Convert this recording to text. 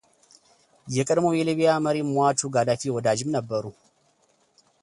የቀድሞው የሊቢያ መሪ ሟቹ ጋዳፊ ወዳጅም ነበሩ።